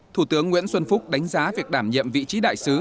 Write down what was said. thủ tướng nguyễn xuân phúc đánh giá việc đảm nhiệm vị trí đại sứ